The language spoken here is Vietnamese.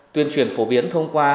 tuyên truyền phổ biến thông qua